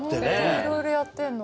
いろいろやってんの。